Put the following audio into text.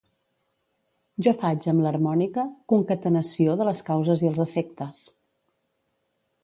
Ja faig amb l'harmònica concatenació de les causes i els efectes.